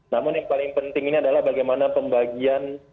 namun yang paling penting ini adalah bagaimana pembagian